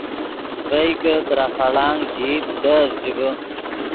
ڤئے کہ ترے خڑانگ ژئیت ڈیز ژیبیم